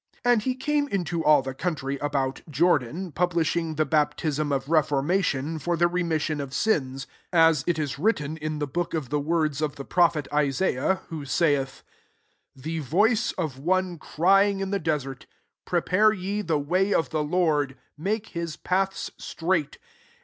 3 And he came into all the country about Jordan, publish ing the baptism of reformation, for the remission of sins: 4 as it is written in the book of the words of the prophet Isaiah, [who saithj'] " The voice of one crying in the desert. Prepare ye the way of the Lord, make his paths straight.